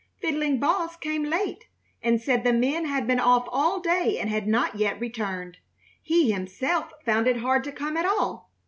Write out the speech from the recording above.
Fiddling Boss came late and said the men had been off all day and had not yet returned. He himself found it hard to come at all.